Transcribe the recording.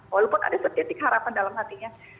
walaupun ada seketik harapan dalam hatinya